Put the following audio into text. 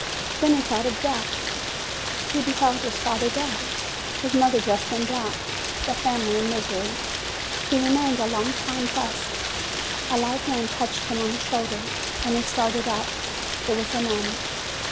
Then he thought of death: he beheld his father dead, his mother dressed in black, the family in misery. He remained a long time thus. A light hand touched him on the shoulder, and he started up : it was a nun.